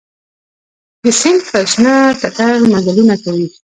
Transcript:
د سیند پر شنه ټټر مزلونه کوي